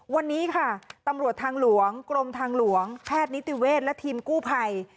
วันนี้ค่ะตำรวจทางหลวงกรมทางหลวงแพทย์นิติเวศและทีมกู้ภัย